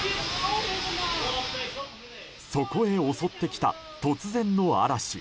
そこへ襲ってきた突然の嵐。